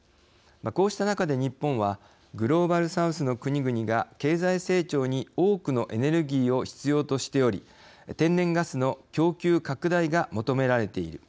こうした中で日本はグローバル・サウスの国々が経済成長に多くのエネルギーを必要としており天然ガスの供給拡大が求められている。